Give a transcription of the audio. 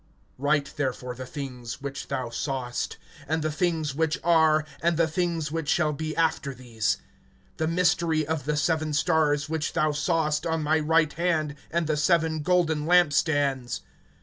(19)Write therefore the things which thou sawest, and the things which are, and the things which shall be after these; (20)the mystery of the seven stars which thou sawest on my right hand, and the seven golden lamp stands.